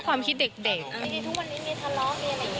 ทุกวันนี้มีทะเลาะมีเรื่องไหนมีงั้นคะ